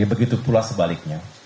begitu pula sebaliknya